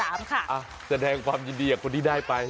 แสดงความยินดีกับคนที่ได้ไป